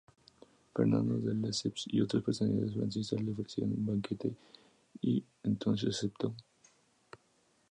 Fernando de Lesseps y otras personalidades francesas le ofrecieron un banquete y entonces aceptó.